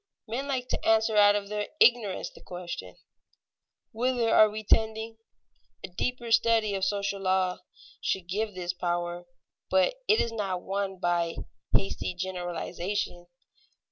Men like to answer out of their ignorance the question, Whither are we tending? A deeper study of social law should give this power, but it is not won by hasty generalization.